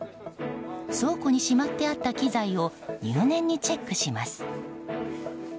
倉庫にしまってあった機材を入念にチェックします。